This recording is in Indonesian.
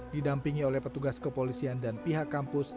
didampingi oleh petugas kepolisian dan pihak kampus